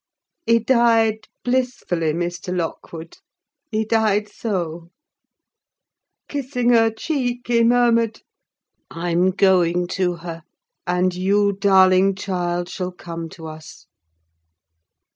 He died blissfully, Mr. Lockwood: he died so. Kissing her cheek, he murmured,—"I am going to her; and you, darling child, shall come to us!"